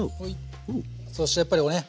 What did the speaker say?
そしてやっぱりね